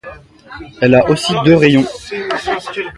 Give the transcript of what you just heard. Elle a aussi deux rayons.